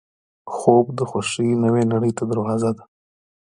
خوب د خوښۍ نوې نړۍ ته دروازه ده